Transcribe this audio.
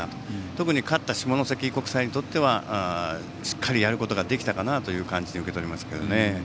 特に勝った下関国際にとってはしっかりやることができたかなという感じに受け取りました。